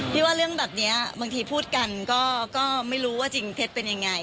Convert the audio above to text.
ว่าเรื่องแบบนี้บางทีพูดกันก็ไม่รู้ว่าจริงเท็จเป็นยังไง